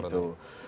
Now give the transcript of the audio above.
tidak seperti itu